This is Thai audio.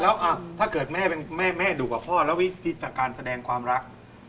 แล้วถ้าเกิดแม่ดุกับพ่อแล้ววิธีจากการแสดงความรัก